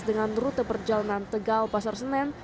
dengan rute perjalanan tegal pasar senen